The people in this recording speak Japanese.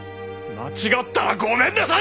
間違ったら「ごめんなさい」。